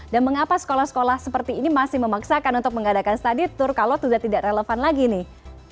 dan mengapa sekolah sekolah seperti ini masih memaksakan untuk mengadakan study tour kalau sudah tidak relevan lagi nih